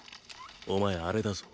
お前あれだぞ？